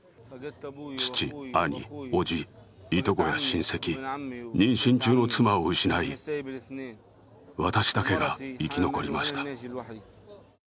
父、兄、おじ、いとこや親戚、妊娠中の妻を失い、私だけが生き残りました。